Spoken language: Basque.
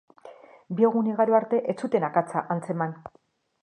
Bi egun igaro arte ez zuten akatsa antzeman.